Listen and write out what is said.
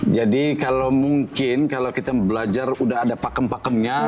jadi kalau mungkin kalau kita belajar udah ada pakem pakemnya